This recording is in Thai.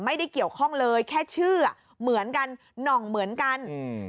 ไม่ได้เกี่ยวข้องเลยแค่ชื่ออ่ะเหมือนกันหน่องเหมือนกันอืม